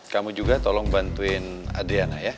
kamu juga tolong bantuin adriana ya